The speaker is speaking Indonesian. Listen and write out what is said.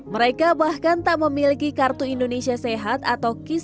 mereka bahkan tak memiliki kartu indonesia sehat atau kis